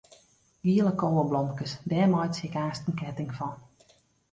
Giele koweblomkes, dêr meitsje ik aanst in ketting fan.